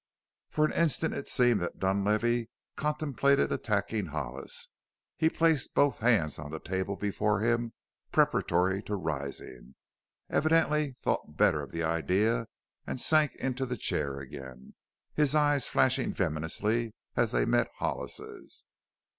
For an instant it seemed that Dunlavey contemplated attacking Hollis; he placed both hands on the table before him, preparatory to rising, evidently thought better of the idea and sank into the chair again, his eyes flashing venomously as they met Hollis's.